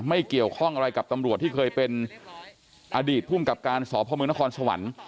ไม่เกี่ยวข้องอะไรกับตำรวจที่เคยเป็นอดีตภูมิกับการสพมนครสวรรค์